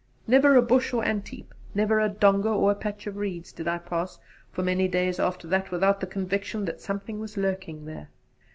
Never a bush or ant heap, never a donga or a patch of reeds, did I pass for many days after that without the conviction that something was lurking there.